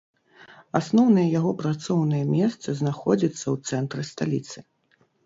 Асноўнае яго працоўнае месца знаходзіцца ў цэнтры сталіцы.